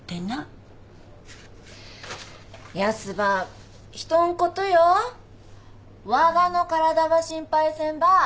ヤスば人んことよっわがの体ば心配せんば。